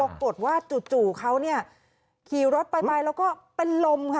ปรากฏว่าจู่เขาเนี่ยขี่รถไปไปแล้วก็เป็นลมค่ะ